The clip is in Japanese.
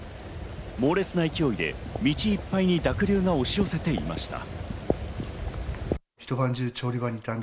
猛烈な勢いで道いっぱいに濁流が押し寄せていました。